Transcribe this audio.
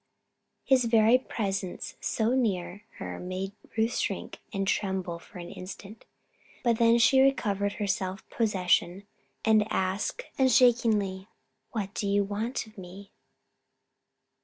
His very presence so near her made Ruth shrink and tremble for an instant. But then she recovered her self possession and asked, unshakenly: "What do you want of me?"